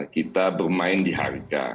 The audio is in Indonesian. kita bermain di harga